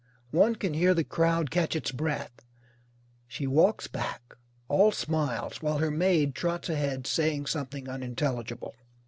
One can hear the crowd catch its breath. She walks back, all smiles, while her maid trots ahead saying something unintelligible.